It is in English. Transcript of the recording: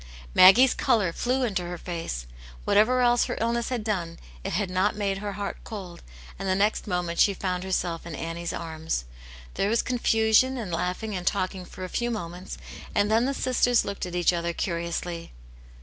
Maggie's colour flew into her face ; whatever else her illness had done, it had not made her heart cold, and. the next moment she found herself in Annie's arms. There was confusion and laughing and talking for a few moments, and then the sisters looked at each other curiously.